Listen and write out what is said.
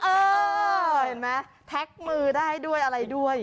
เออเห็นมั้ยแท็กมือได้ด้วยอะไรด้วย